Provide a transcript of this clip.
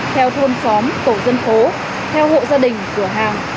theo thôn xóm tổ dân phố theo hộ gia đình cửa hàng